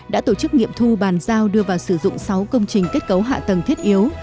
đã tổ chức nghiệm thu bàn giao đưa vào sử dụng sáu công trình kết cấu hạ tầng thiết yếu